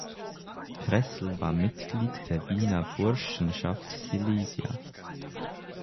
Pressel war Mitglied der Wiener Burschenschaft "Silesia".